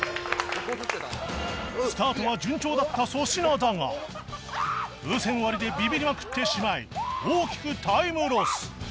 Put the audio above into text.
スタートは順調だった粗品だが風船割りでビビりまくってしまい大きくタイムロス